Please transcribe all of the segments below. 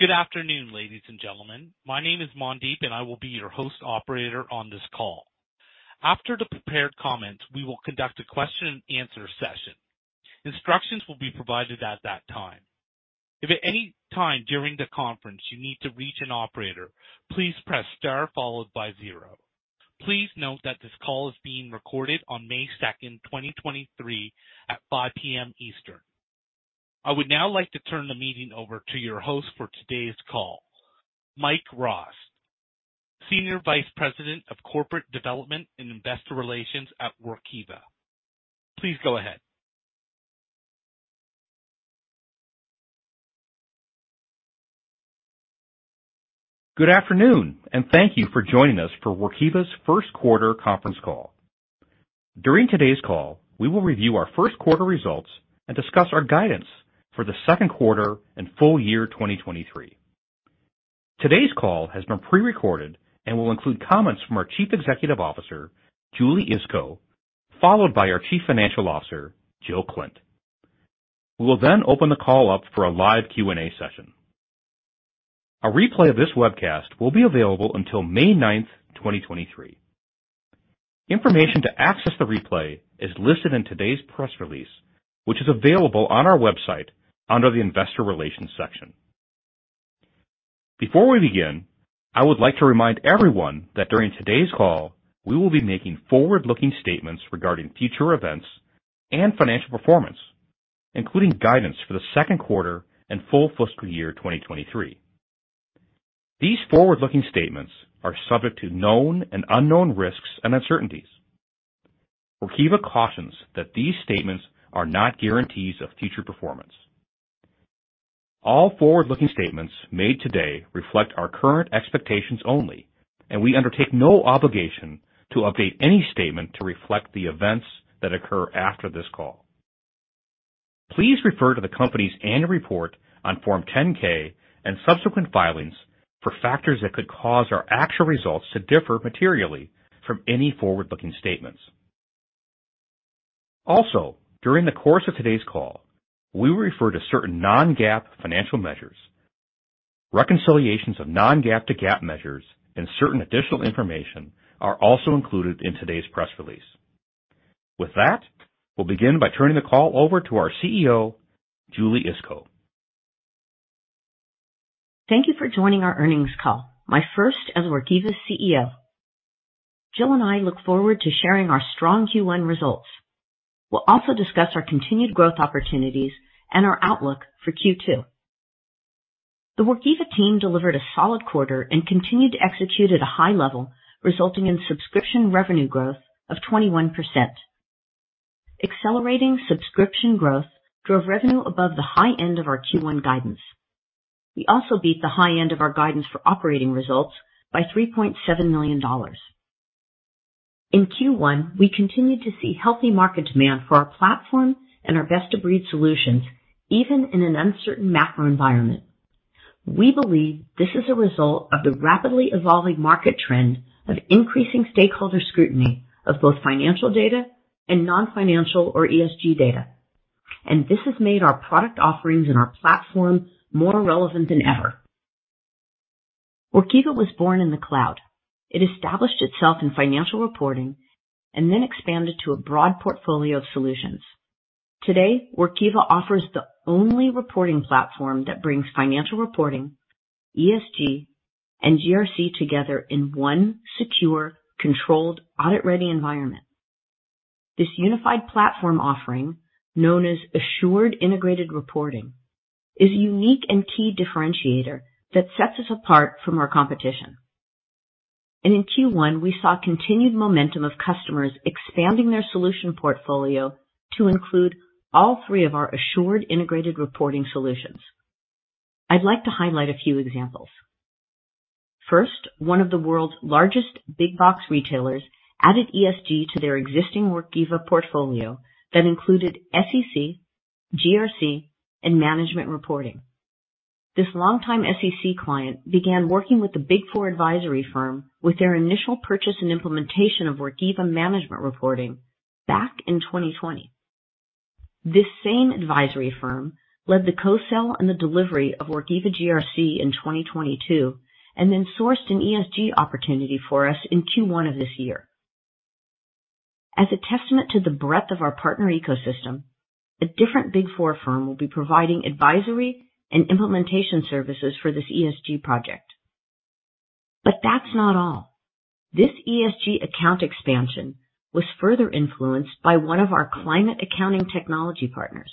Good afternoon ladies and gentlemen. My name is Mandeep. I will be your host operator on this call. After the prepared comments, we will conduct a question and answer session. Instructions will be provided at that time. If at any time during the conference you need to reach an operator, please press star followed by zero. Please note that this call is being recorded on May 2nd, 2023 at 5:00 P.M. Eastern. I would now like to turn the meeting over to your host for today's call, Mike Rost, Senior Vice President of Corporate Development and Investor Relations at Workiva. Please go ahead. Good afternoon and thank you for joining us for Workiva's First Quarter Conference Call. During today's call, we will review our first quarter results and discuss our guidance for the second quarter and full year 2023. Today's call has been pre-recorded and will include comments from our Chief Executive Officer, Julie Iskow, followed by our Chief Financial Officer, Jill Klindt. We will then open the call up for a live Q&A session. A replay of this webcast will be available until May 9, 2023. Information to access the replay is listed in today's press release which is available on our website under the Investor Relations section. Before we begin, I would like to remind everyone that during today's call we will be making forward-looking statements regarding future events and financial performance, including guidance for the second quarter and full fiscal year 2023. These forward-looking statements are subject to known and unknown risks and uncertainties. Workiva cautions that these statements are not guarantees of future performance. All forward-looking statements made today reflect our current expectations only. We undertake no obligation to update any statement to reflect the events that occur after this call. Please refer to the company's annual report on Form 10-K and subsequent filings for factors that could cause our actual results to differ materially from any forward-looking statements. Also, during the course of today's call we will refer to certain non-GAAP financial measures. Reconciliations of non-GAAP to GAAP measures and certain additional information are also included in today's press release. With that, we'll begin by turning the call over to our CEO, Julie Iskow. Thank you for joining our earnings call, my first as Workiva's CEO. Jill and I look forward to sharing our strong Q1 results. We'll also discuss our continued growth opportunities and our outlook for Q2. The Workiva team delivered a solid quarter and continued to execute at a high level, resulting in subscription revenue growth of 21%. Accelerating subscription growth drove revenue above the high end of our Q1 guidance. We also beat the high end of our guidance for operating results by $3.7 million. In Q1, we continued to see healthy market demand for our platform and our best-of-breed solutions even in an uncertain macro environment. We believe this is a result of the rapidly evolving market trend of increasing stakeholder scrutiny of both financial data and non-financial or ESG data. This has made our product offerings and our platform more relevant than ever. Workiva was born in the cloud. It established itself in financial reporting and then expanded to a broad portfolio of solutions. Today, Workiva offers the only reporting platform that brings financial reporting, ESG, and GRC together in one secure, controlled, audit-ready environment. This unified platform offering, known as Assured Integrated Reporting, is a unique and key differentiator that sets us apart from our competition. In Q1, we saw continued momentum of customers expanding their solution portfolio to include all three of our Assured Integrated Reporting solutions. I'd like to highlight a few examples. First, one of the world's largest big box retailers added ESG to their existing Workiva portfolio that included SEC, GRC, and management reporting. This longtime SEC client began working with the Big Four advisory firm with their initial purchase and implementation of Workiva management reporting back in 2020. This same advisory firm led the co-sell and the delivery of Workiva GRC in 2022 and then sourced an ESG opportunity for us in Q1 of this year. As a testament to the breadth of our partner ecosystem, a different Big Four firm will be providing advisory and implementation services for this ESG project. That's not all. This ESG account expansion was further influenced by one of our climate accounting technology partners.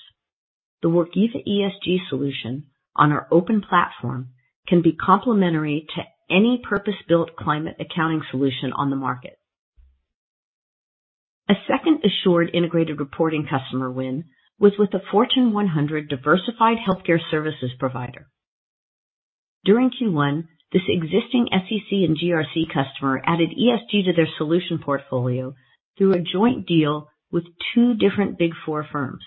The Workiva ESG solution on our open platform can be complementary to any purpose-built climate accounting solution on the market. A second assured integrated reporting customer win was with a Fortune 100 diversified healthcare services provider. During Q1, this existing SEC and GRC customer added ESG to their solution portfolio through a joint deal with two different Big Four firms.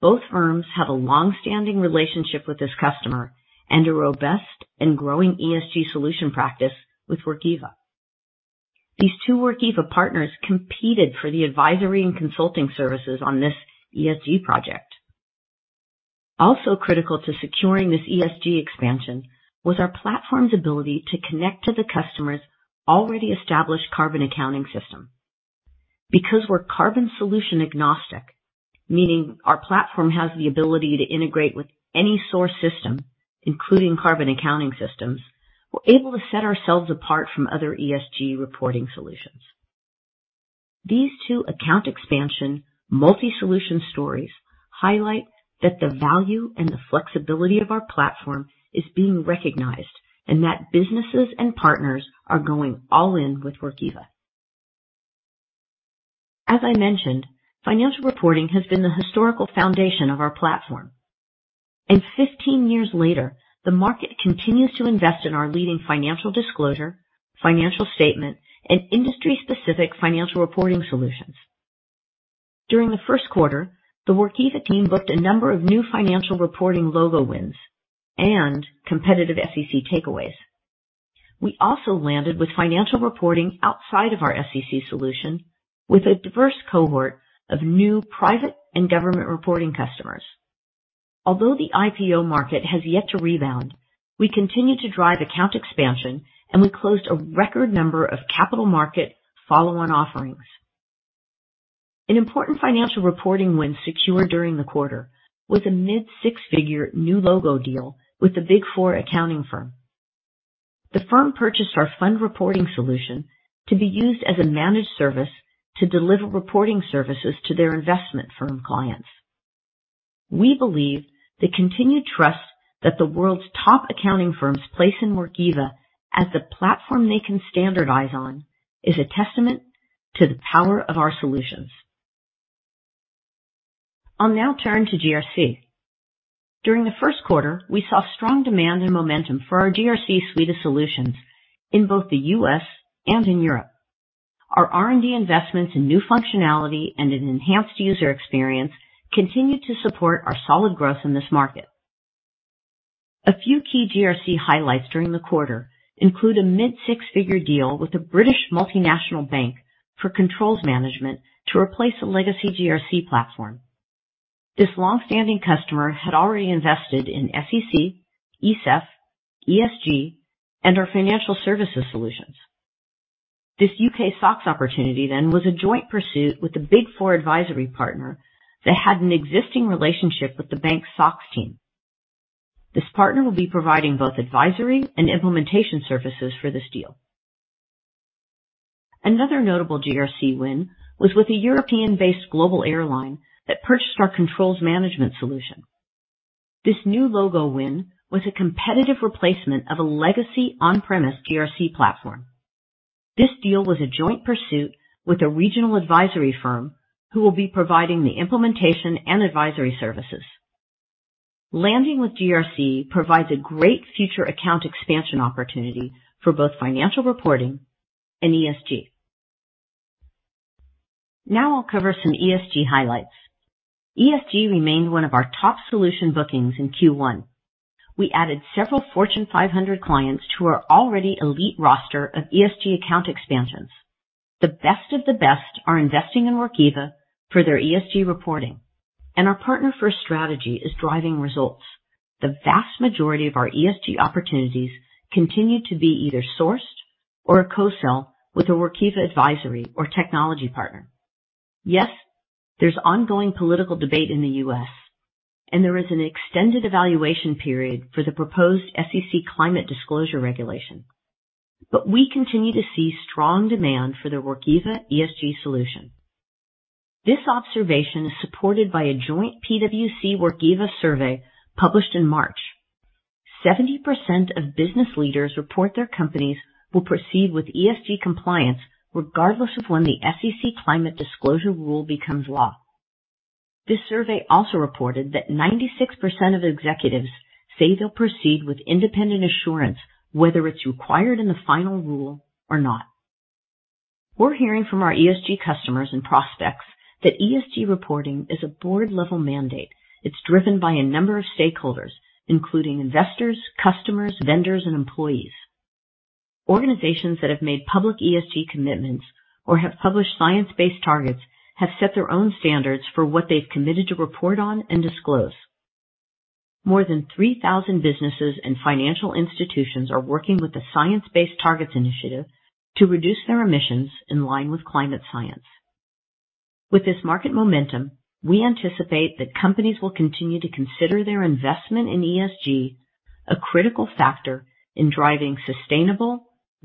Both firms have a long-standing relationship with this customer and a robust and growing ESG solution practice with Workiva. These two Workiva partners competed for the advisory and consulting services on this ESG project. Critical to securing this ESG expansion was our platform's ability to connect to the customer's already established carbon accounting system. We're carbon solution agnostic, meaning our platform has the ability to integrate with any source system, including carbon accounting systems. We're able to set ourselves apart from other ESG reporting solutions. These two account expansion multi-solution stories highlight that the value and the flexibility of our platform is being recognized and that businesses and partners are going all in with Workiva. As I mentioned, financial reporting has been the historical foundation of our platform. 15 years later the market continues to invest in our leading financial disclosure, financial statement and industry-specific financial reporting solutions. During the first quarter, the Workiva team booked a number of new financial reporting logo wins and competitive SEC takeaways. We also landed with financial reporting outside of our SEC solution with a diverse cohort of new private and government reporting customers. Although the IPO market has yet to rebound, we continue to drive account expansion, and we closed a record number of capital market follow-on offerings. An important financial reporting win secured during the quarter was a mid six-figure new logo deal with the Big Four accounting firm. The firm purchased our fund reporting solution to be used as a managed service to deliver reporting services to their investment firm clients. We believe the continued trust that the world's top accounting firms place in Workiva as the platform they can standardize on is a testament to the power of our solutions. I'll now turn to GRC. During the first quarter, we saw strong demand and momentum for our GRC suite of solutions in both the U.S. and in Europe. Our R&D investments in new functionality and an enhanced user experience continued to support our solid growth in this market. A few key GRC highlights during the quarter include a mid six-figure deal with a British multinational bank for controls management to replace a legacy GRC platform. This long-standing customer had already invested in SEC, ESEF, ESG, and our financial services solutions. This UK SOX opportunity was a joint pursuit with the Big Four advisory partner that had an existing relationship with the bank SOX team. This partner will be providing both advisory and implementation services for this deal. Another notable GRC win was with a European-based global airline that purchased our controls management solution. This new logo win was a competitive replacement of a legacy on-premise GRC platform. This deal was a joint pursuit with a regional advisory firm who will be providing the implementation and advisory services. Landing with GRC provides a great future account expansion opportunity for both financial reporting and ESG. Now I'll cover some ESG highlights. ESG remained one of our top solution bookings in Q1. We added several Fortune 500 clients to our already elite roster of ESG account expansions. The best of the best are investing in Workiva for their ESG reporting. Our partner first strategy is driving results. The vast majority of our ESG opportunities continue to be either sourced or a co-sell with a Workiva advisory or technology partner. Yes, there's ongoing political debate in the U.S., and there is an extended evaluation period for the proposed SEC climate disclosure regulation. We continue to see strong demand for the Workiva ESG solution. This observation is supported by a joint PwC Workiva survey published in March. 70% of business leaders report their companies will proceed with ESG compliance regardless of when the SEC climate disclosure rule becomes law. This survey also reported that 96% of executives say they'll proceed with independent assurance, whether it's required in the final rule or not. We're hearing from our ESG customers and prospects that ESG reporting is a board-level mandate. It's driven by a number of stakeholders, including investors, customers, vendors, and employees. Organizations that have made public ESG commitments or have published science-based targets have set their own standards for what they've committed to report on and disclose. More than 3,000 businesses and financial institutions are working with the Science Based Targets initiative to reduce their emissions in line with climate science. With this market momentum, we anticipate that companies will continue to consider their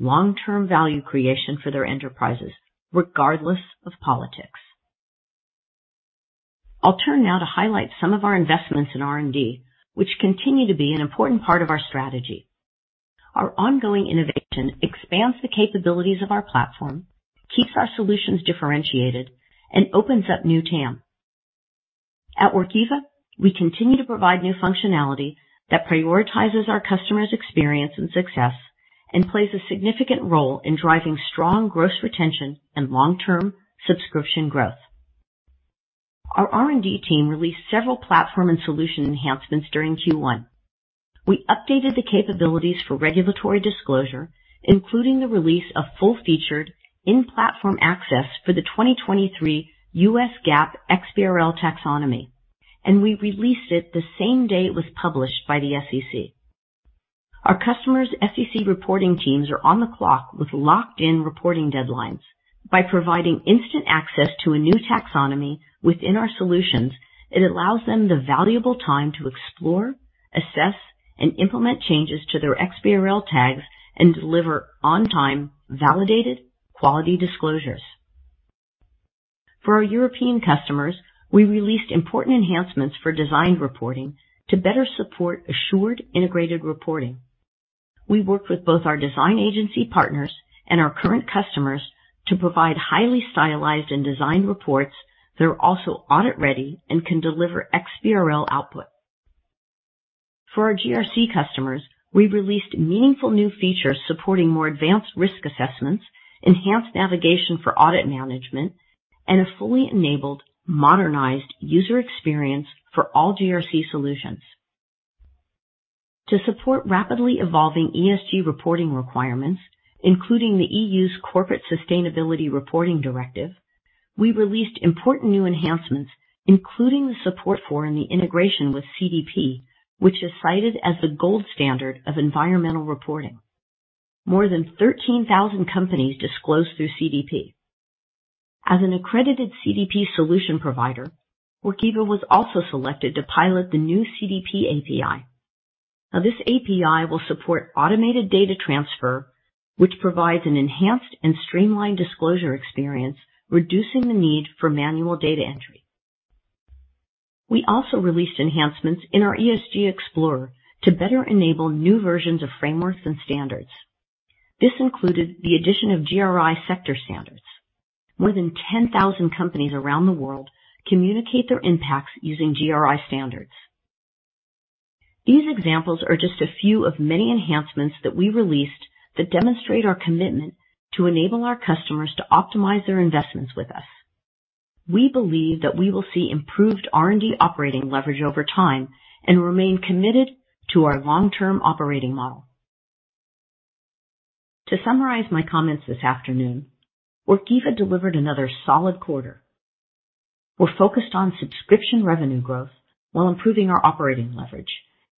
investment in ESG a critical factor in driving sustainable long-term value creation for their enterprises, regardless of politics. I'll turn now to highlight some of our investments in R&D, which continue to be an important part of our strategy. Our ongoing innovation expands the capabilities of our platform keeps our solutions differentiated, and opens up new TAM. At Workiva, we continue to provide new functionality that prioritizes our customers' experience and success and plays a significant role in driving strong gross retention and long-term subscription growth. Our R&D team released several platform and solution enhancements during Q1. We updated the capabilities for regulatory disclosure, including the release of full-featured in-platform access for the 2023 U.S. GAAP XBRL taxonomy. We released it the same day it was published by the SEC. Our customers SEC reporting teams are on the clock with locked-in reporting deadlines. By providing instant access to a new taxonomy within our solutions it allows them the valuable time to explore, assess, and implement changes to their XBRL tags and deliver on-time validated quality disclosures. For our European customers, we released important enhancements for design reporting to better support assured integrated reporting. We worked with both our design agency partners and our current customers to provide highly stylized and designed reports that are also audit-ready and can deliver XBRL output. For our GRC customers, we released meaningful new features supporting more advanced risk assessments, enhanced navigation for audit management, and a fully enabled modernized user experience for all GRC solutions. To support rapidly evolving ESG reporting requirements, including the EU's Corporate Sustainability Reporting Directive, we released important new enhancements, including the support for and the integration with CDP which is cited as the gold standard of environmental reporting. More than 13,000 companies disclose through CDP. As an accredited CDP solution provider, Workiva was also selected to pilot the new CDP API. Now, this API will support automated data transfer which provides an enhanced and streamlined disclosure experience reducing the need for manual data entry. We also released enhancements in our ESG Explorer to better enable new versions of frameworks and standards. This included the addition of GRI sector standards. More than 10,000 companies around the world communicate their impacts using GRI standards. These examples are just a few of many enhancements that we released that demonstrate our commitment to enable our customers to optimize their investments with us. We believe that we will see improved R&D operating leverage over time and remain committed to our long-term operating model. To summarize my comments this afternoon, Workiva delivered another solid quarter. We're focused on subscription revenue growth while improving our operating leverage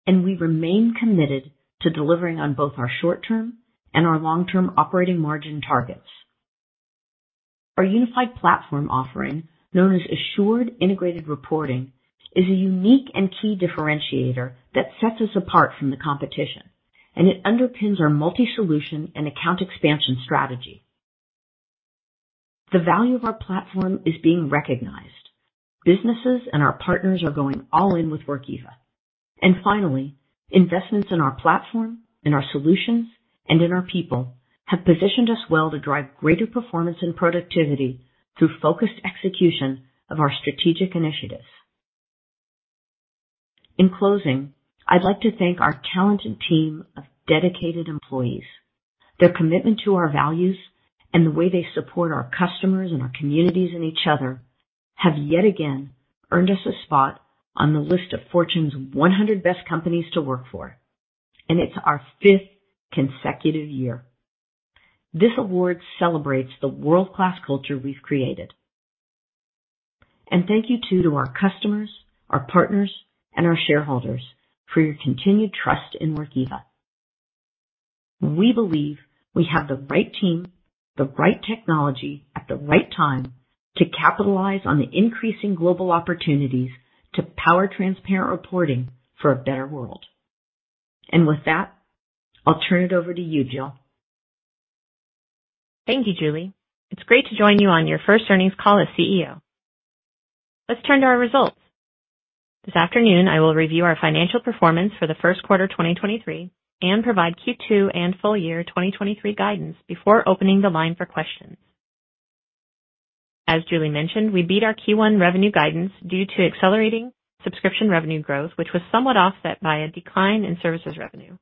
and we remain committed to delivering on both our short-term and our long-term operating margin targets. Our unified platform offering, known as Assured Integrated Reporting, is a unique and key differentiator that sets us apart from the competition, and it underpins our multi-solution and account expansion strategy. The value of our platform is being recognized. Businesses and our partners are going all in with Workiva. Finally, investments in our platform, in our solutions, and in our people have positioned us well to drive greater performance and productivity through focused execution of our strategic initiatives. In closing, I'd like to thank our talented team of dedicated employees. Their commitment to our values and the way they support our customers and our communities and each other have yet again earned us a spot on the list of Fortune's 100 Best Companies to Work For. It's our fifth consecutive year. This award celebrates the world-class culture we've created. Thank you too, to our customers, our partners, and our shareholders for your continued trust in Workiva. We believe we have the right team, the right technology at the right time to capitalize on the increasing global opportunities to power transparent reporting for a better world. With that, I'll turn it over to you, Jill. Thank you Julie. It's great to join you on your first earnings call as CEO. Let's turn to our results. This afternoon, I will review our financial performance for the first quarter, 2023 and provide Q2 and full year 2023 guidance before opening the line for questions. As Julie mentioned, we beat our Q1 revenue guidance due to accelerating subscription revenue growth, which was somewhat offset by a decline in services revenue.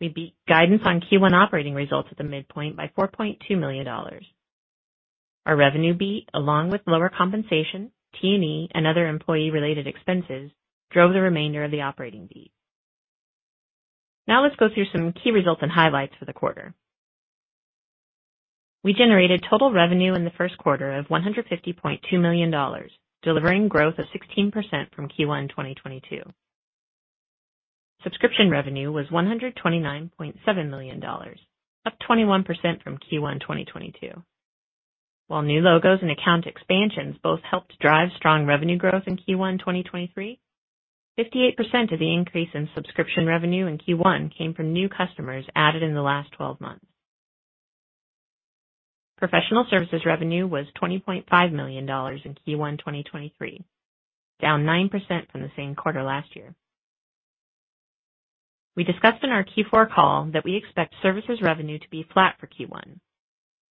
We beat guidance on Q1 operating results at the midpoint by $4.2 million. Our revenue beat, along with lower compensation, T&E, and other employee-related expenses, drove the remainder of the operating beat. Let's go through some key results and highlights for the quarter. We generated total revenue in the first quarter of $150.2 million, delivering growth of 16% from Q1 2022. Subscription revenue was $129.7 million, up 21% from Q1 2022. While new logos and account expansions both helped drive strong revenue growth in Q1 2023, 58% of the increase in subscription revenue in Q1 came from new customers added in the last 12 months. Professional services revenue was $20.5 million in Q1 2023 down 9% from the same quarter last year. We discussed in our Q4 call that we expect services revenue to be flat for Q1.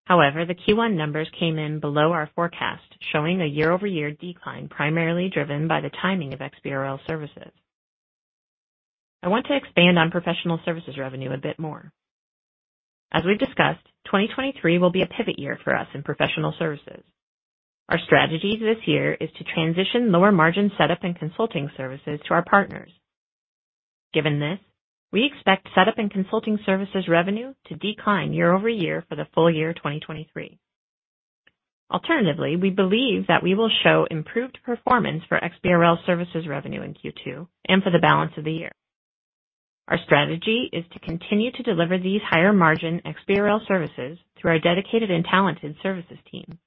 The Q1 numbers came in below our forecast showing a year-over-year decline, primarily driven by the timing of XBRL services. I want to expand on professional services revenue a bit more. As we've discussed, 2023 will be a pivot year for us in professional services. Our strategy this year is to transition lower margin setup and consulting services to our partners. Given this, we expect setup and consulting services revenue to decline year-over-year for the full year 2023. Alternatively, we believe that we will show improved performance for XBRL services revenue in Q2 and for the balance of the year. Our strategy is to continue to deliver these higher margin XBRL services through our dedicated and talented services team.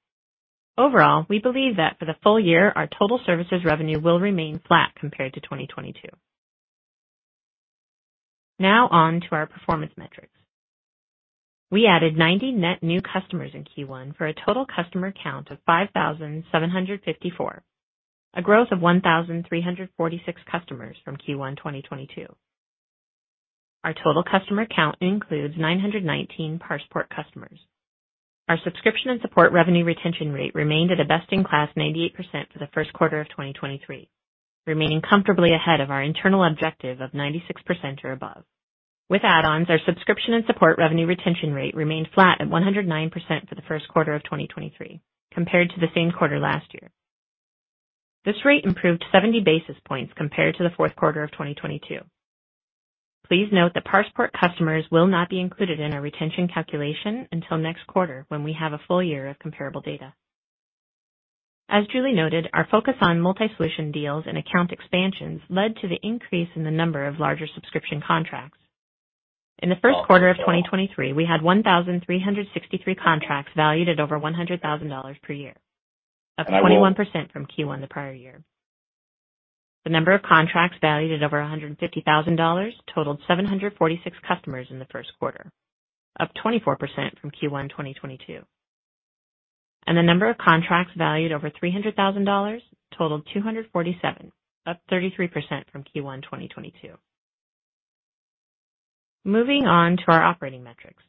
Overall, we believe that for the full year our total services revenue will remain flat compared to 2022. On to our performance metrics. We added 90 net new customers in Q1 for a total customer count of 5,754 a growth of 1,346 customers from Q1 2022. Our total customer count includes 919 Passport customers. Our subscription and support revenue retention rate remained at a best-in-class 98% for the first quarter of 2023, remaining comfortably ahead of our internal objective of 96% or above. With add-ons, our subscription and support revenue retention rate remained flat at 109% for the first quarter of 2023 compared to the same quarter last year. This rate improved 70 basis points compared to the fourth quarter of 2022. Please note that Passport customers will not be included in our retention calculation until next quarter when we have a full year of comparable data. As Julie noted, our focus on multi-solution deals and account expansions led to the increase in the number of larger subscription contracts. In the first quarter of 2023 we had 1,363 contracts valued at over $100,000 per year, up 21% from Q1 the prior year. The number of contracts valued at over $150,000 totaled 746 customers in the first quarter, up 24% from Q1 2022. The number of contracts valued over $300,000 totaled 247, up 33% from Q1 2022. Moving on to our operating metrics.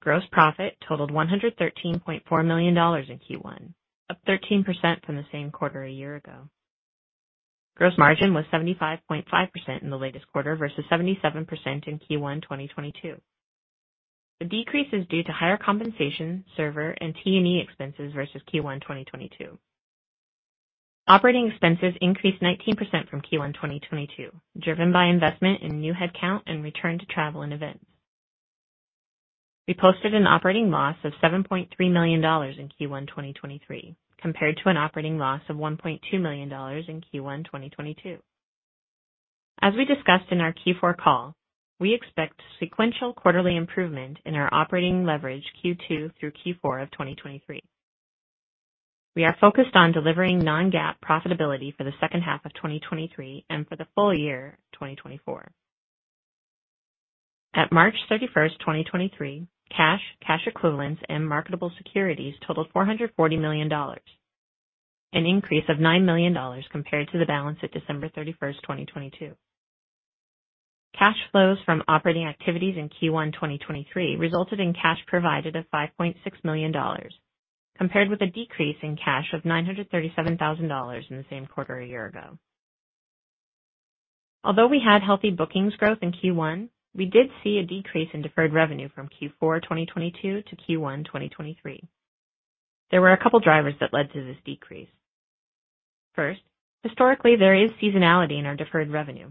Gross profit totaled $113.4 million in Q1, up 13% from the same quarter a year ago. Gross margin was 75.5% in the latest quarter versus 77% in Q1 2022. The decrease is due to higher compensation, server, and T&E expenses versus Q1 2022. Operating expenses increased 19% from Q1 2022, driven by investment in new headcount and return to travel and events. We posted an operating loss of $7.3 million in Q1 2023, compared to an operating loss of $1.2 million in Q1 2022. As we discussed in our Q4 call, we expect sequential quarterly improvement in our operating leverage Q2 through Q4 of 2023. We are focused on delivering non-GAAP profitability for the H2 of 2023 and for the full year 2024. At March 31st, 2023, cash equivalents, and marketable securities totaled $440 million, an increase of $9 million compared to the balance at December 31st, 2022. Cash flows from operating activities in Q1 2023 resulted in cash provided of $5.6 million, compared with a decrease in cash of $937,000 in the same quarter a year ago. Although we had healthy bookings growth in Q1 we did see a decrease in deferred revenue from Q4 2022 to Q1 2023. There were a couple drivers that led to this decrease. First, historically there is seasonality in our deferred revenue.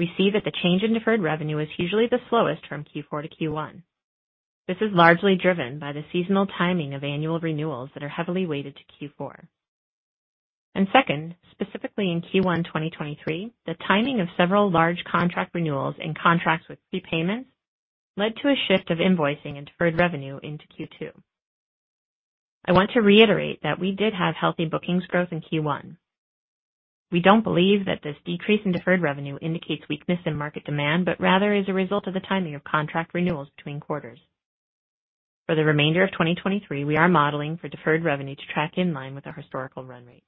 We see that the change in deferred revenue is usually the slowest from Q4 to Q1. This is largely driven by the seasonal timing of annual renewals that are heavily weighted to Q4. Second, specifically in Q1 2023, the timing of several large contract renewals and contracts with prepayments led to a shift of invoicing and deferred revenue into Q2. I want to reiterate that we did have healthy bookings growth in Q1. We don't believe that this decrease in deferred revenue indicates weakness in market demand but rather is a result of the timing of contract renewals between quarters. For the remainder of 2023, we are modeling for deferred revenue to track in line with our historical run rate.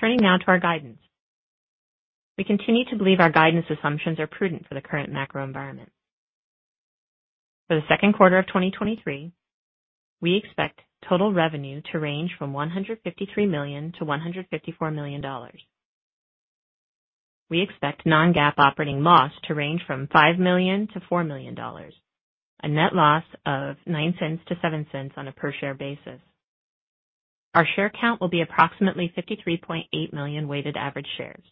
Turning now to our guidance. We continue to believe our guidance assumptions are prudent for the current macro environment. For the second quarter of 2023, we expect total revenue to range from $153 million-$154 million. We expect non-GAAP operating loss to range from $5 million-$4 million, a net loss of $0.09-$0.07 on a per share basis. Our share count will be approximately $53.8 million weighted average shares.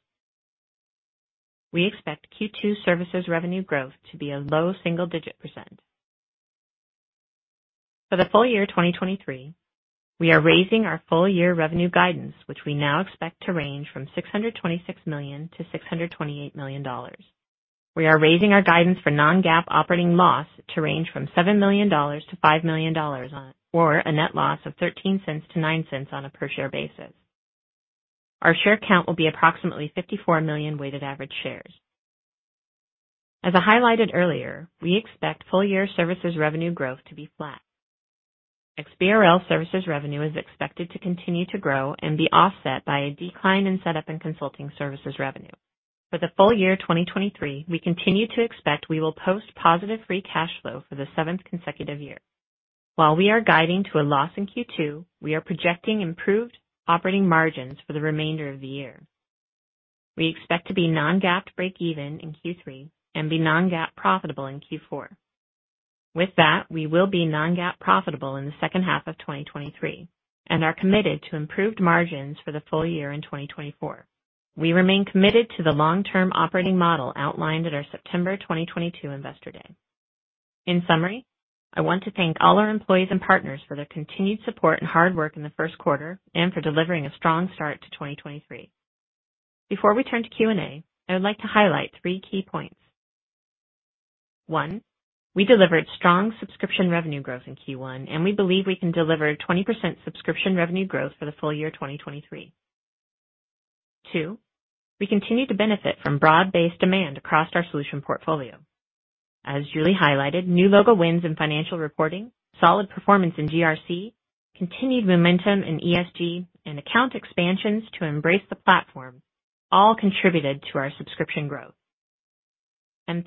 We expect Q2 services revenue growth to be a low single-digit %. For the full year 2023, we are raising our full year revenue guidance which we now expect to range from $626 million-$628 million. We are raising our guidance for non-GAAP operating loss to range from $7 million-$5 million, or a net loss of $0.13-$0.09 on a per share basis. Our share count will be approximately $54 million weighted average shares. As I highlighted earlier, we expect full year services revenue growth to be flat. XBRL services revenue is expected to continue to grow and be offset by a decline in setup and consulting services revenue. For the full year 2023, we continue to expect we will post positive free cash flow for the seventh consecutive year. While we are guiding to a loss in Q2, we are projecting improved operating margins for the remainder of the year. We expect to be non-GAAP to break even in Q3 and be non-GAAP profitable in Q4. With that, we will be non-GAAP profitable in the H2 of 2023 and are committed to improved margins for the full year in 2024. We remain committed to the long-term operating model outlined at our September 2022 investor day. In summary, I want to thank all our employees and partners for their continued support and hard work in the first quarter and for delivering a strong start to 2023. Before we turn to Q&A, I would like to highlight three key points. One, we delivered strong subscription revenue growth in Q1. We believe we can deliver 20% subscription revenue growth for the full year 2023. Two, we continue to benefit from broad-based demand across our solution portfolio. As Julie highlighted, new logo wins in financial reporting, solid performance in GRC, continued momentum in ESG, and account expansions to embrace the platform all contributed to our subscription growth.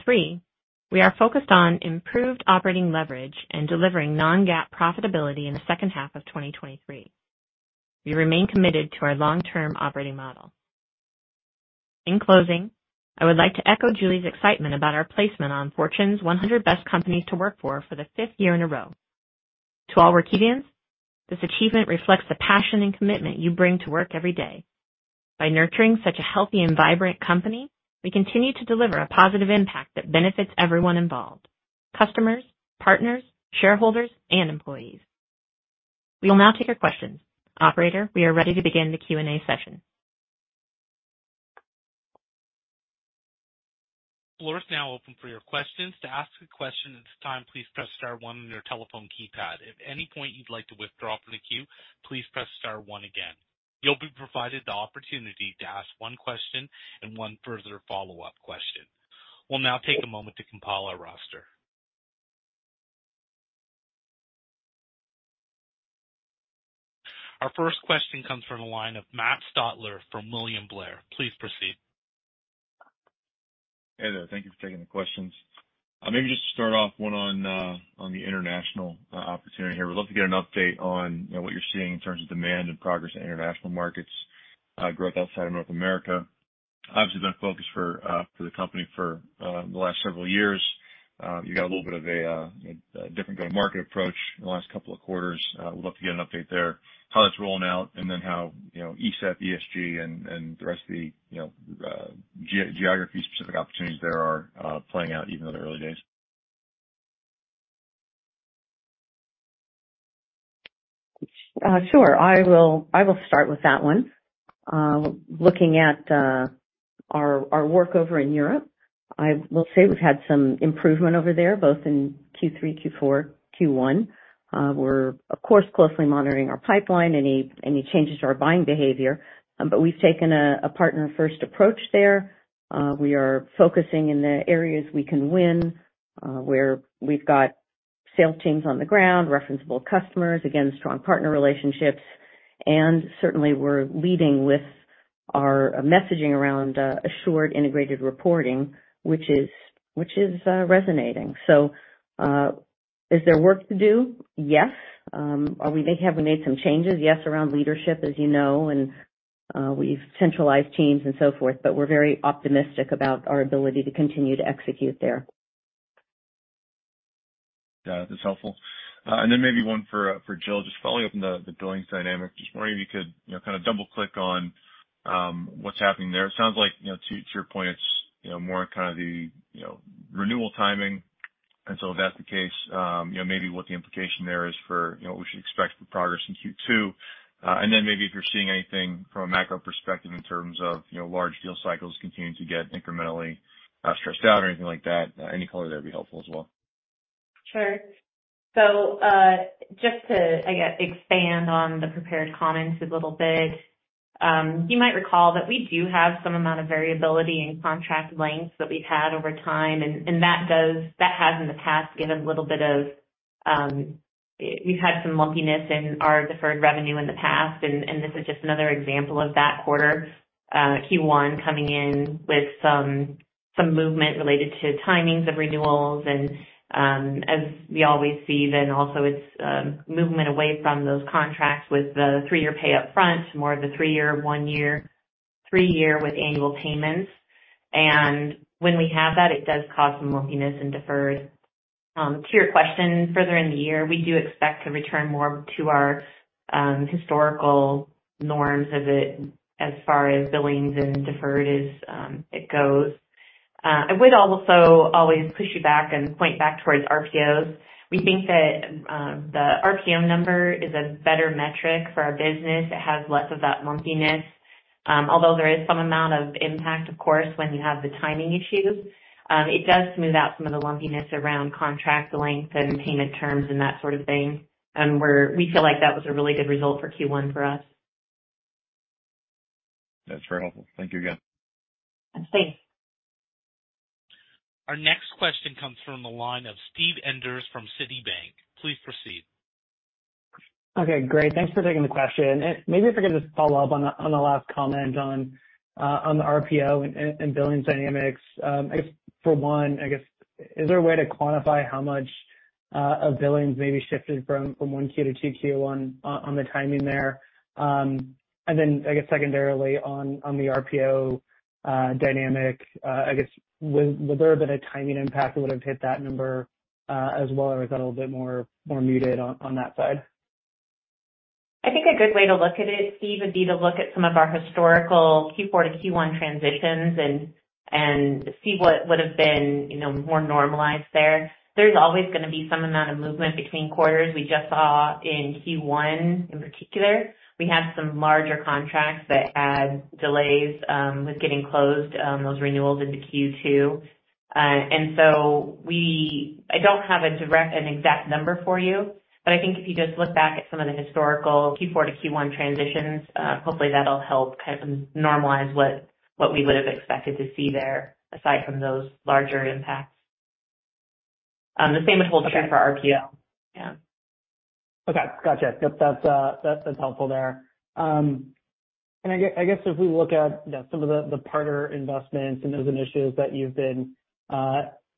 Three, we are focused on improved operating leverage and delivering non-GAAP profitability in the second half of 2023. We remain committed to our long-term operating model. In closing, I would like to echo Julie's excitement about our placement on Fortune's 100 Best Companies to Work For for the fifth year in a row. To all Workivians, this achievement reflects the passion and commitment you bring to work every day. By nurturing such a healthy and vibrant company, we continue to deliver a positive impact that benefits everyone involved, customers, partners, shareholders, and employees. We will now take your questions. Operator, we are ready to begin the Q&A session. Floor is now open for your questions. To ask a question at this time, please press star one on your telephone keypad. If at any point you'd like to withdraw from the queue, please press star one again. You'll be provided the opportunity to ask one question and one further follow-up question. We'll now take a moment to compile our roster. Our first question comes from the line of Matt Stotler from William Blair. Please proceed. Hey there. Thank you for taking the questions. Maybe just to start off one on the international opportunity here. We'd love to get an update on, you know, what you're seeing in terms of demand and progress in international markets, growth outside of North America. Obviously been a focus for the company for the last several years. You got a little bit of a different go-to-market approach in the last couple of quarters. Would love to get an update there, how that's rolling out and then how, you know, ESEF, ESG and the rest of the, you know, geography specific opportunities there are playing out even in the early days. Sure. I will start with that one. Looking at our work over in Europe, I will say we've had some improvement over there both in Q3, Q4, Q1. We're of course, closely monitoring our pipeline, any changes to our buying behavior but we've taken a partner first approach there. We are focusing in the areas we can win where we've got sales teams on the ground, referenceable customers, again, strong partner relationships. Certainly we're leading with our messaging around assured integrated reporting, which is resonating. Is there work to do? Yes. Have we made some changes? Yes, around leadership, as you know, and we've centralized teams and so forth but we're very optimistic about our ability to continue to execute there. Got it. That's helpful. Then maybe one for Jill, just following up on the billings dynamic. Just wondering if you could, you know, kind of double click on what's happening there. It sounds like, you know, to your point, it's, you know, more on kind of the, you know, renewal timing. So if that's the case, you know, maybe what the implication there is for, you know, what we should expect for progress in Q2. Then maybe if you're seeing anything from a macro perspective in terms of, you know, large deal cycles continuing to get incrementally stressed out or anything like that. Any color there would be helpful as well. Sure. Just to, I guess, expand on the prepared comments a little bit. You might recall that we do have some amount of variability in contract lengths that we've had over time and that has in the past given a little bit of, we've had some lumpiness in our deferred revenue in the past. This is just another example of that quarter, Q1 coming in with some movement related to timings of renewals. As we always see then also it's movement away from those contracts with the 3-year pay up front to more of the 3-year, 1-year, 3-year with annual payments. When we have that, it does cause some lumpiness in deferred. To your question further in the year, we do expect to return more to our historical norms of it as far as billings and deferred is, it goes. I would also always push you back and point back towards RPOs. We think that the RPO number is a better metric for our business. It has less of that lumpiness. Although there is some amount of impact of course when you have the timing issues, it does smooth out some of the lumpiness around contract length and payment terms and that sort of thing. We feel like that was a really good result for Q1 for us. That's very helpful. Thank you again. Absolutely. Our next question comes from the line of Steve Enders from Citibank. Please proceed. Okay, great. Thanks for taking the question. Maybe if I could just follow up on the last comment on the RPO and billing dynamics. I guess for one, I guess is there a way to quantify how much of billings may be shifted from 1Q to 2Q on the timing there? I guess secondarily on the RPO dynamic, I guess would there have been a timing impact that would have hit that number as well or is that a little bit more muted on that side? I think a good way to look at it, Steve Enders, would be to look at some of our historical Q4 to Q1 transitions and see what would have been, you know, more normalized there. There's always gonna be some amount of movement between quarters. We just saw in Q1 in particular, we have some larger contracts that had delays with getting closed those renewals into Q2. I don't have a direct and exact number for you, but I think if you just look back at some of the historical Q4 to Q1 transitions, hopefully that'll help kind of normalize what we would have expected to see there, aside from those larger impacts. The same is hold true for RPO. Yeah. Okay. Gotcha. Yep. That's, that's helpful there. I guess if we look at, you know, some of the partner investments and those initiatives that you've been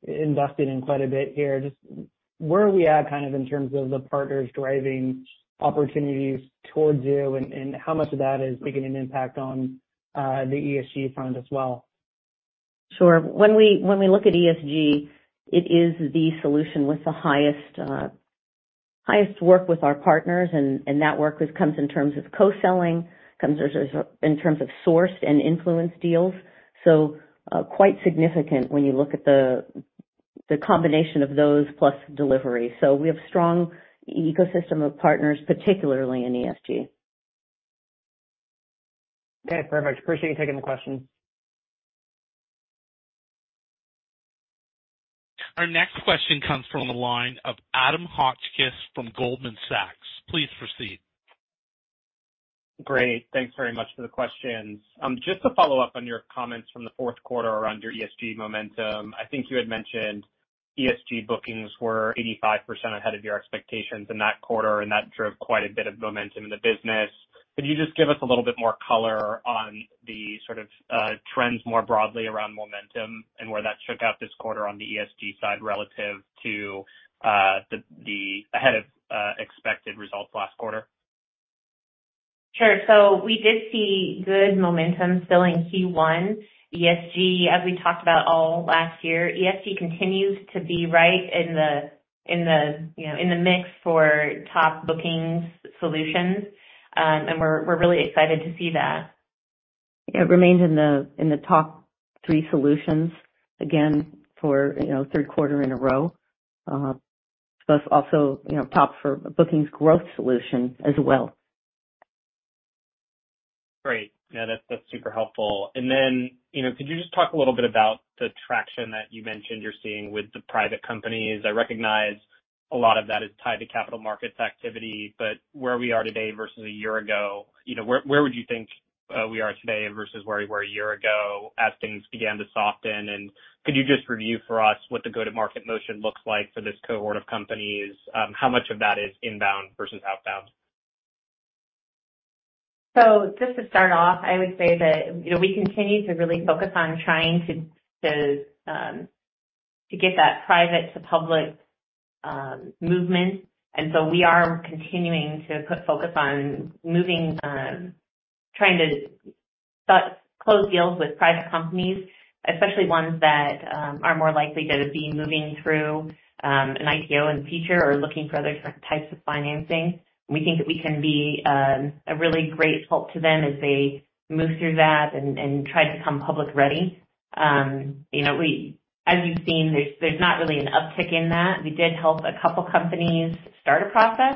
investing in quite a bit here, just where are we at kind of in terms of the partners driving opportunities towards you and how much of that is making an impact on the ESG front as well? Sure. When we look at ESG, it is the solution with the highest work with our partners, and that work comes in terms of co-selling, comes in terms of sourced and influenced deals. Quite significant when you look at the combination of those plus delivery. We have strong ecosystem of partners, particularly in ESG. Okay. Thanks very much. Appreciate you taking the question. Our next question comes from the line of Adam Hotchkiss from Goldman Sachs. Please proceed. Great. Thanks very much for the questions. Just to follow up on your comments from the fourth quarter around your ESG momentum. I think you had mentioned ESG bookings were 85% ahead of your expectations in that quarter and that drove quite a bit of momentum in the business. Could you just give us a little bit more color on the sort of trends more broadly around momentum and where that shook out this quarter on the ESG side relative to the ahead of expected results last quarter? Sure. We did see good momentum still in Q1. ESG, as we talked about all last year, ESG continues to be right in the, you know, in the mix for top bookings solutions. We're really excited to see that. It remains in the, in the top three solutions, again, for, you know, third quarter in a row. Plus also, you know, top for bookings growth solution as well. Great. Yeah, that's super helpful. You know, could you just talk a little bit about the traction that you mentioned you're seeing with the private companies? I recognize a lot of that is tied to capital markets activit but where we are today versus a year ago, you know, where would you think we are today versus where we were a year ago as things began to soften? Could you just review for us what the go-to-market motion looks like for this cohort of companies? How much of that is inbound versus outbound? Just to start off, I would say that, you know, we continue to really focus on trying to get that private to public movement. We are continuing to put focus on moving, trying to close deals with private companies especially ones that are more likely to be moving through an IPO in the future or looking for other types of financing. We think that we can be a really great help to them as they move through that and try to become public ready. You know, as you've seen, there's not really an uptick in that. We did help a couple companies start a process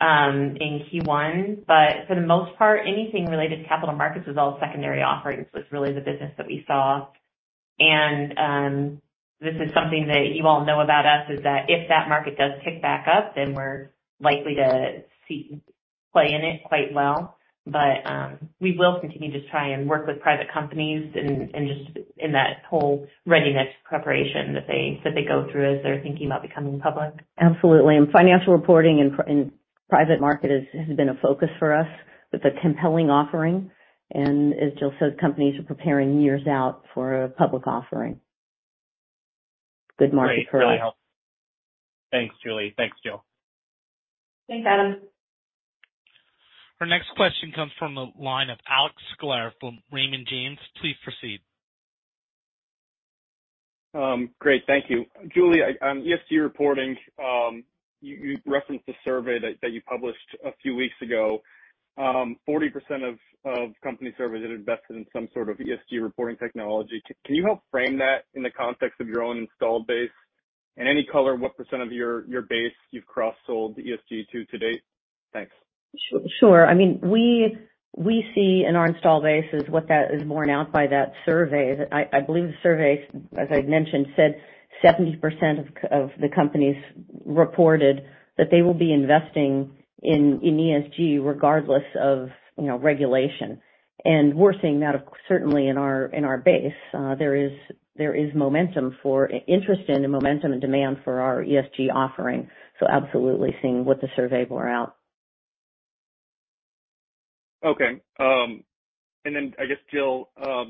in Q1 but for the most part anything related to capital markets was all secondary offerings, was really the business that we saw. This is something that you all know about us, is that if that market does pick back up, then we're likely to see play in it quite well. We will continue to try and work with private companies and just in that whole readiness preparation that they go through as they're thinking about becoming public. Absolutely. Financial reporting in private market has been a focus for us. It's a compelling offering. As Jill said, companies are preparing years out for a public offering. Good market for it. Great. Really helpful. Thanks, Julie. Thanks, Jill. Thanks Adam. Our next question comes from the line of Alex Sklar from Raymond James. Please proceed. Great. Thank you. Julie, on ESG reporting, you referenced the survey that you published a few weeks ago. 40% of company surveys that invested in some sort of ESG reporting technology. Can you help frame that in the context of your own installed base? Any color, what percent of your base you've cross-sold ESG to to date? Thanks. Sure. I mean, we see in our install base is what that is borne out by that survey. I believe the survey, as I mentioned, said 70% of the companies reported that they will be investing in ESG regardless of, you know, regulation. We're seeing that of certainly in our base. There is momentum for interest and momentum and demand for our ESG offering. Absolutely seeing what the survey bore out. Okay. I guess, Jill, I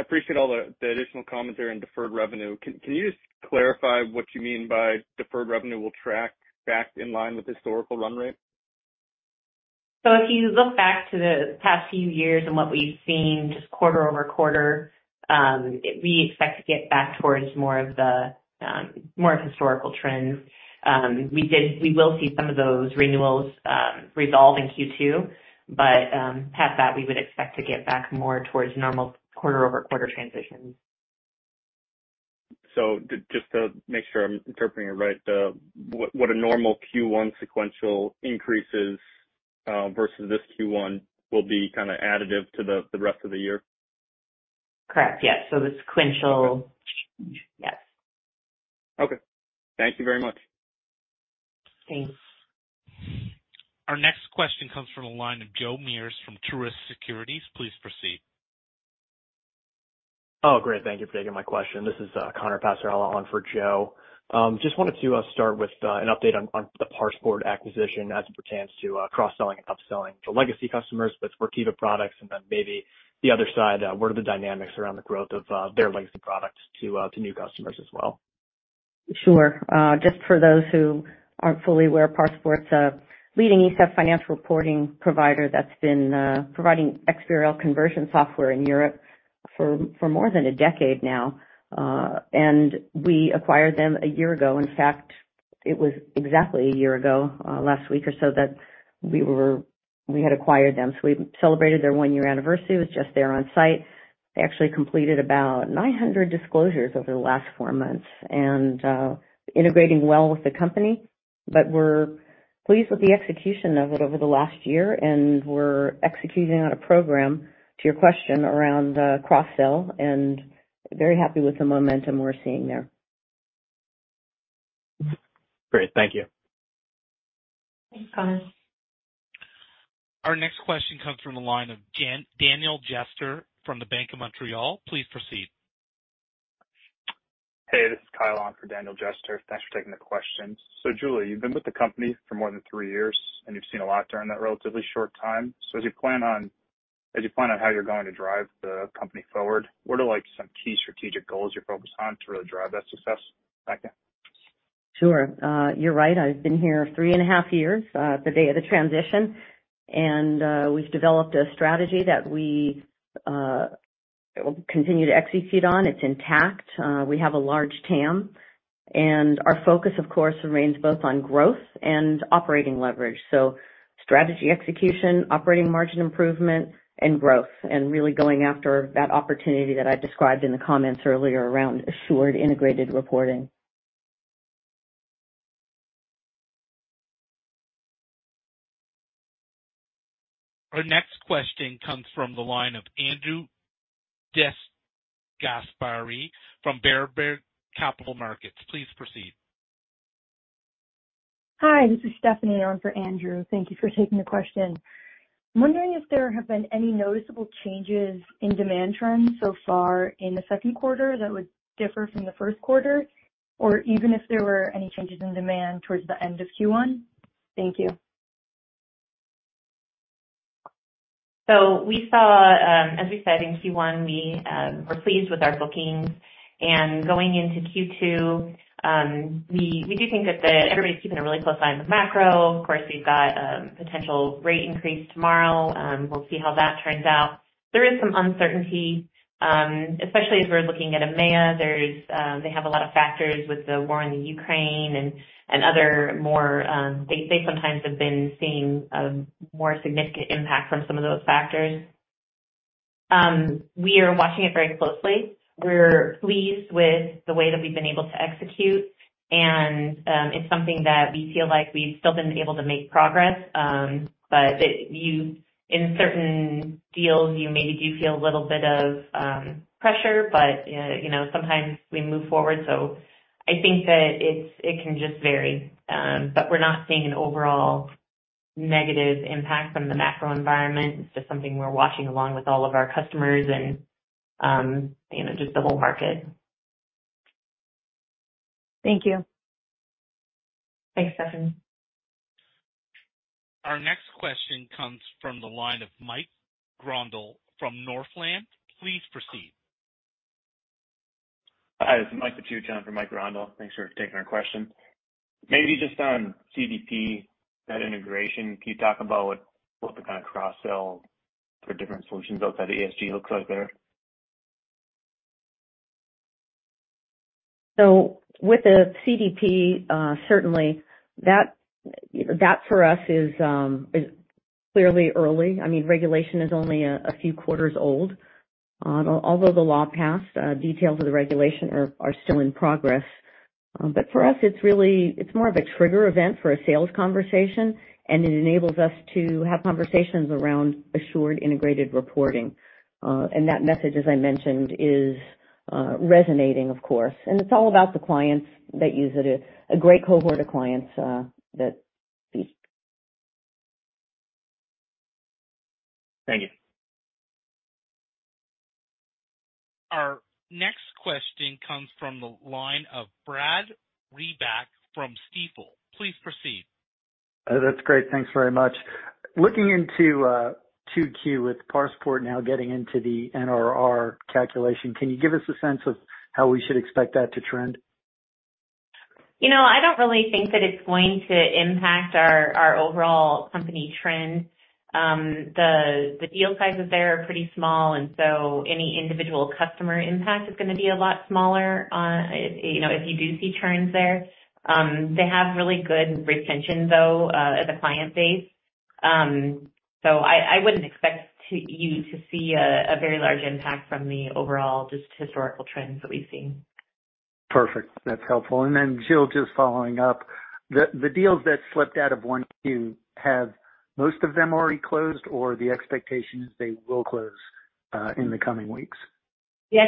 appreciate all the additional commentary on deferred revenue. Can you just clarify what you mean by deferred revenue will track back in line with historical run rate? If you look back to the past few years and what we've seen just quarter-over-quarter, we expect to get back towards more of the more historical trends. We will see some of those renewals resolve in Q2 but past that we would expect to get back more towards normal quarter-over-quarter transitions. Just to make sure I'm interpreting it right, what a normal Q1 sequential increase is, versus this Q1 will be kind of additive to the rest of the year. Correct. Yeah. Okay. Yes. Okay. Thank you very much. Thanks. Our next question comes from the line of Joe Mears from Truist Securities. Please proceed. Great. Thank you for taking my question. This is Connor Passerella on for Joe. Just wanted to start with an update on the ParsePort acquisition as it pertains to cross-selling and upselling the legacy customers with Workiva products, and then maybe the other side, what are the dynamics around the growth of their legacy products to new customers as well? Sure. Just for those who aren't fully aware, ParsePort's a leading ESEF financial reporting provider that's been providing XBRL conversion software in Europe for more than a decade now. We acquired them a year ago. In fact, it was exactly a year ago last week or so that we had acquired them. We celebrated their 1-year anniversary. Was just there on site. They actually completed about 900 disclosures over the last four months and integrating well with the company. We're pleased with the execution of it over the last year and we're executing on a program to your question around cross-sell and very happy with the momentum we're seeing there. Great. Thank you. Thanks, Connor. Our next question comes from the line of Daniel Jester from the BMO Capital Markets. Please proceed. Hey, this is Kyle on for Daniel Jester. Thanks for taking the question. Julie, you've been with the company for more than three years, and you've seen a lot during that relatively short time. As you plan on how you're going to drive the company forward, what are like some key strategic goals you're focused on to really drive that success back there? Sure. You're right. I've been here three and a half years, the day of the transition. We've developed a strategy that we will continue to execute on. It's intact. We have a large TAM. Our focus, of course, remains both on growth and operating leverage. Strategy execution, operating margin improvement and growth and really going after that opportunity that I described in the comments earlier around assured integrated reporting. Our next question comes from the line of Andrew DeGasperi from Baird. Please proceed. Hi, this is Stephanie on for Andrew. Thank you for taking the question. I'm wondering if there have been any noticeable changes in demand trends so far in the second quarter that would differ from the first quarter or even if there were any changes in demand towards the end of Q1. Thank you. We saw, as we said in Q1, we were pleased with our bookings. Going into Q2, we do think that everybody's keeping a really close eye on the macro. Of course, we've got a potential rate increase tomorrow. We'll see how that turns out. There is some uncertainty, especially as we're looking at EMEA. There's, they have a lot of factors with the war in the Ukraine and other more. They sometimes have been seeing a more significant impact from some of those factors. We are watching it very closely. We're pleased with the way that we've been able to execute, and it's something that we feel like we've still been able to make progress. But in certain deals, you maybe do feel a little bit of pressure but, you know, sometimes we move forward. I think that it's, it can just vary. We're not seeing an overall negative impact from the macro environment. It's just something we're watching along with all of our customers and, you know, just the whole market. Thank you. Thanks Stephanie. Our next question comes from the line of Mike Grondahl from Northland. Please proceed. Hi, this is Mike Pettit for Mike Grondahl. Thanks for taking our question. Maybe just on CDP, that integration, can you talk about what the kind of cross-sell for different solutions outside ESG looks like there? With the CDP, certainly that for us is clearly early. I mean, regulation is only a few quarters old. Although the law passed, details of the regulation are still in progress. For us, it's really more of a trigger event for a sales conversation, and it enables us to have conversations around assured integrated reporting. That message, as I mentioned, is resonating, of course. It's all about the clients that use it, a great cohort of clients that speak. Thank you. Next question comes from the line of Brad Reback from Stifel. Please proceed. That's great. Thanks very much. Looking into 2Q with Passport now getting into the NRR calculation, can you give us a sense of how we should expect that to trend? You know, I don't really think that it's going to impact our overall company trend. The deal sizes there are pretty small, any individual customer impact is gonna be a lot smaller, you know, if you do see trends there. They have really good retention, though, as a client base. I wouldn't expect you to see a very large impact from the overall just historical trends that we've seen. Perfect. That's helpful. Jill, just following up, the deals that slipped out of 1Q, have most of them already closed or the expectation is they will close in the coming weeks? They've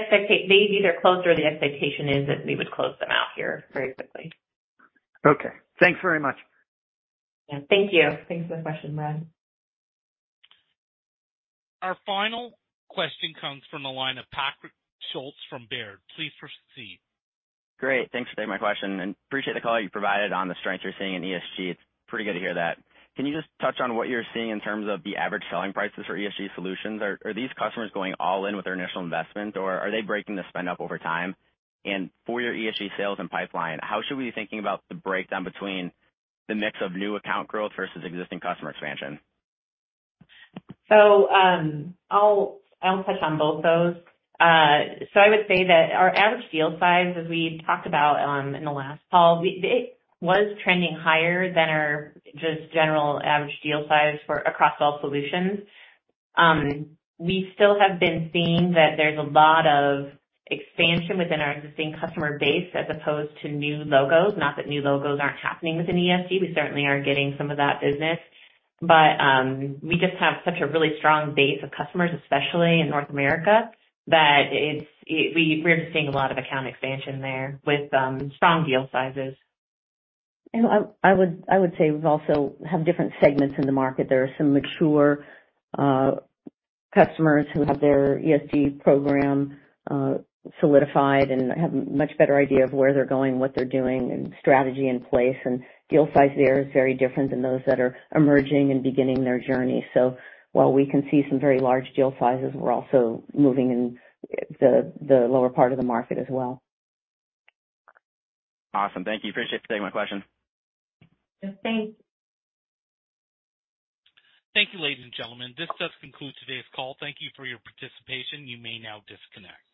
either closed or the expectation is that we would close them out here very quickly. Okay. Thanks very much. Yeah, thank you. Thanks for the question, Brad. Our final question comes from the line of Patrick Schulz from Baird. Please proceed. Great. Thanks for taking my question and appreciate the color you provided on the strength you're seeing in ESG. It's pretty good to hear that. Can you just touch on what you're seeing in terms of the average selling prices for ESG solutions? Are these customers going all in with their initial investment or are they breaking the spend up over time? For your ESG sales and pipeline, how should we be thinking about the breakdown between the mix of new account growth versus existing customer expansion? I'll touch on both those. I would say that our average deal size, as we talked about in the last call, it was trending higher than our just general average deal size for across all solutions. We still have been seeing that there's a lot of expansion within our existing customer base as opposed to new logos. Not that new logos aren't happening within ESG. We certainly are getting some of that business. We just have such a really strong base of customers especially in North America, that we're just seeing a lot of account expansion there with strong deal sizes. I would say we've also have different segments in the market. There are some mature customers who have their ESG program solidified and have a much better idea of where they're going, what they're doing and strategy in place. Deal size there is very different than those that are emerging and beginning their journey. While we can see some very large deal sizes, we're also moving in the lower part of the market as well. Awesome. Thank you. Appreciate you taking my question. Yes. Thanks. Thank you, ladies and gentlemen. This does conclude today's call. Thank you for your participation. You may now disconnect.